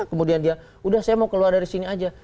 kemudian dia sudah saya mau keluar dari sini saja